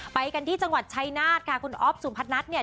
ไปกันที่จังหวัดชัยนาธค่ะคุณอ๊อฟสุพนัทเนี่ย